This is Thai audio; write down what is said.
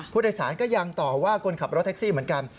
ผู้โดยสารก็ยังต่อว่าคนขับรถแท็กซี่เหมือนกัน